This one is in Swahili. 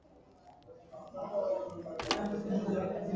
wenzao kutoka huko mali na hadi sasa mabao